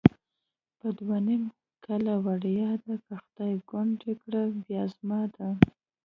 په دوه نیم کله وړیا ده، که خدای کونډه کړه بیا زما ده